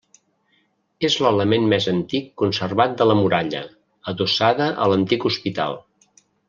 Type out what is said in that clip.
És l'element més antic conservat de la muralla, adossada a l'antic hospital.